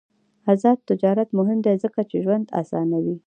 آزاد تجارت مهم دی ځکه چې ژوند اسانوي.